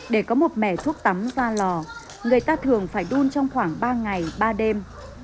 để có một mẻ thuốc tắm ra lò người ta thường phải đun trong khoảng ba ngày ba đêm